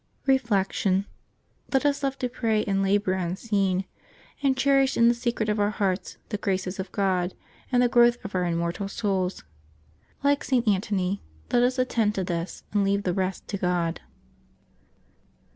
Reflection. — Let us love to pray and labor unseen, and cherish in the secret of our hearts the graces of God. and the growth of our immortal souls. Like St. Antony, let us attend to this, and leave the rest to God.